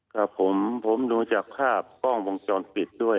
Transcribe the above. ครับผมผมดูจากภาพกล้องวงจรปิดด้วย